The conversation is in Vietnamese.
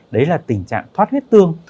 đấy là tình trạng thoát huyết tương